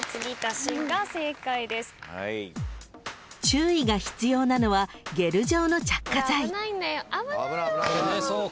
［注意が必要なのはゲル状の着火剤］